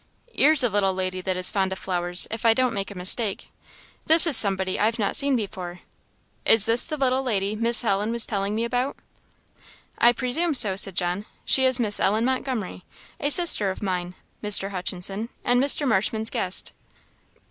" 'Ere's a little lady that is fond of flowers, if I don't make a mistake; this is somebody I've not seen before? Is this the little lady Miss h'Ellen was telling me about." "I presume so," said John. "She is Miss Ellen Montgomery a sister of mine, Mr. Hutchinson, and Mr. Marshman's guest."